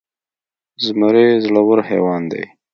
زمری زړور حيوان دی.